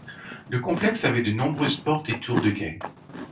Le complexe avait de nombreuses portes et tours de guet.